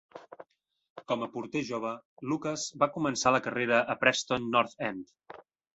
Com a porter jove, Lucas va començar la carrera a Preston North End.